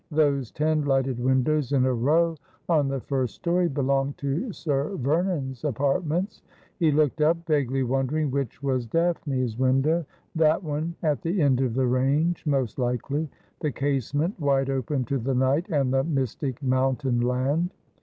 Those ten lighted windows in a row on the first storey belonged to Sir Vernon's apartments. He looked up, vaguely wondering which was Daphne's window. That one, at the end of the range, most likely — the casement wide open to the night and the mystic mountain land.